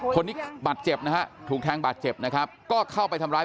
คนนี้บาดเจ็บนะฮะถูกแทงบาดเจ็บนะครับก็เข้าไปทำร้าย